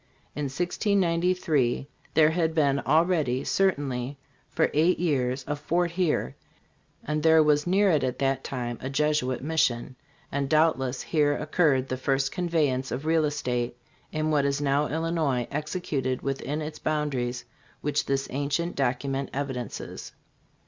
In 1693 there had been already, certainly for eight years, a fort here, and there was near it at that time a Jesuit mission ; and doubtless here oc curred the first conveyance of real estate in what is now Illinois executed within its boundaries, which this ancient document evidences.